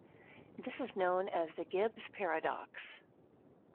This is known as the Gibbs paradox.